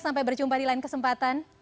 sampai berjumpa di lain kesempatan